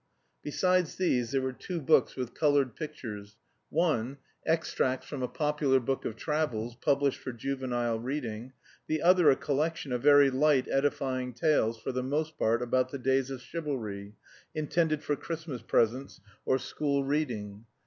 Besides these there were two books with coloured pictures one, extracts from a popular book of travels, published for juvenile reading, the other a collection of very light, edifying tales, for the most part about the days of chivalry, intended for Christmas presents or school reading.